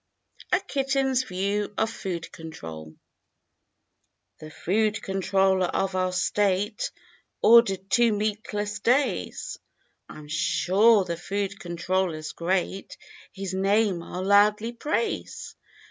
A KITTEN'S VIEW OF FOOD CONTROL The food controller of our State Ordered two meatless days; I'm sure the food controller's great. His name I '11 loudly praise.